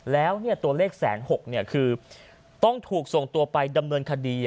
แล้วตัวเลข๑๖๐๐คือต้องถูกส่งตัวไปดำเนินคดี